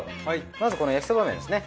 まずこの焼きそば麺ですね。